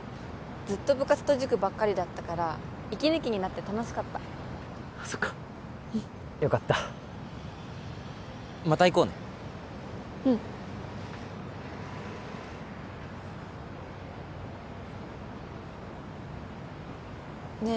ずっと部活と塾ばっかりだったから息抜きになって楽しかったそっかよかったうんまた行こうねうんねえ